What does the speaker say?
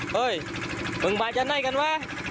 เฮ้ยมึงมาจะไหนกันวะ